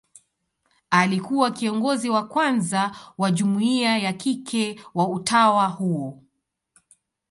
Alikuwa kiongozi wa kwanza wa jumuia ya kike wa utawa huo.